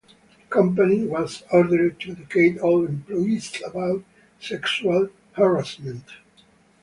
The company was ordered to educate all employees about sexual harassment.